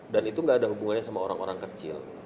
dan itu gak ada hubungannya sama orang orang kecil